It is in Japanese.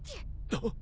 あっ！